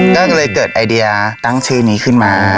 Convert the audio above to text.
ก็เลยเกิดไอเดียตั้งชื่อนี้ขึ้นมา